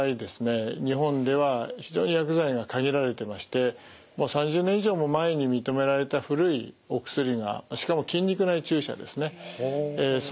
日本では非常に薬剤が限られてましてもう３０年以上も前に認められた古いお薬がしかも筋肉内注射ですね。